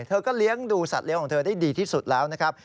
เธอก็เลี้ยงดูสัตว์เลี้ยของเธอได้ดีที่สุดแล้วนะครับ